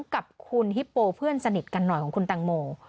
กับคุณฮิปโปเพื่อนสนิทกันหน่อยของคุณแตงโม